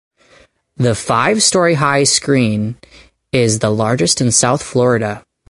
The five-story-high screen is the largest in South Florida.